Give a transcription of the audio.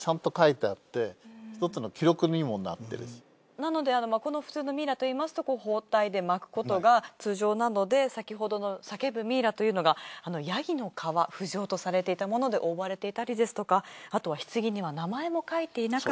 なのでこの普通のミイラといいますと包帯で巻くことが通常なので先ほどの叫ぶミイラというのが山羊の皮不浄とされていたもので覆われていたりですとかあとは棺には名前も書いていなかった。